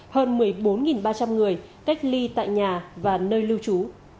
hơn một mươi bốn ba trăm linh người cách ly tại nhà và nơi lưu trú